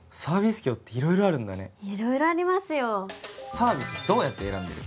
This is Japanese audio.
サービスどうやって選んでる？